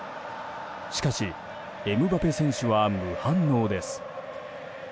しかしエムバペ選手は無反応です。